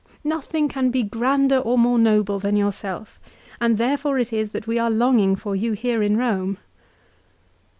" Nothing can be grander or more noble than yourself, and therefore it is that we are longing for you here in Eome."